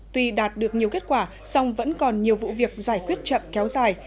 tuy đạt được nhiều kết quả song vẫn còn nhiều vụ việc giải quyết chậm kéo dài